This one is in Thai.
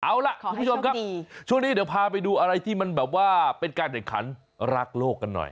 เอาล่ะคุณผู้ชมครับช่วงนี้เดี๋ยวพาไปดูอะไรที่มันแบบว่าเป็นการแข่งขันรักโลกกันหน่อย